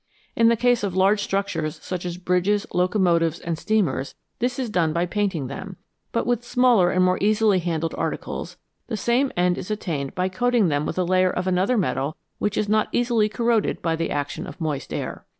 In the case of large structures, such as bridges, locomotives, and steamers, this is done by painting them, but with smaller arid more easily handled articles the same end is attained by coating them with a layer of another metal which is not easily corroded by the action of moist air.